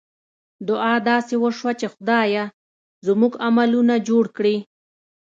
دعا داسې وشوه چې خدایه! زموږ عملونه جوړ کړې.